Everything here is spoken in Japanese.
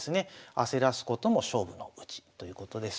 焦らすことも勝負のうちということです。